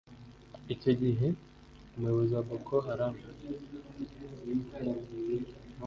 Icyo gihe umuyobozi wa Boko Haram